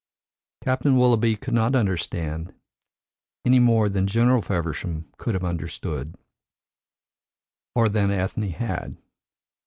Captain Willoughby could not understand, any more than General Feversham could have understood, or than Ethne had.